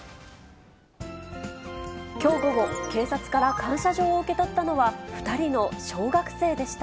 きょう午後、警察から感謝状を受け取ったのは、２人の小学生でした。